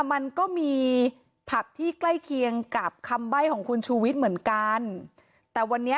มันก็มีผับที่ใกล้เคียงกับคำใบ้ของคุณชูวิทย์เหมือนกันแต่วันนี้